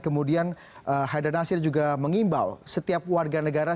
kemudian haidar nasir juga mengimbau setiap warga negara